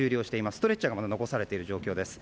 ストレッチャーが残されている状況です。